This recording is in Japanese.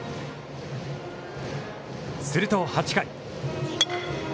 すると、８回。